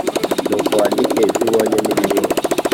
Nuko wandike ibyo ubonye n’ibiriho,